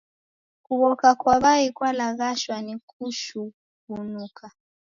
Kughoka kwa w'ai kwalaghashwa ni kushughunuka.